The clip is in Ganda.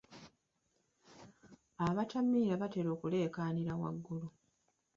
Abatamiira batera okuleekaanira waggulu.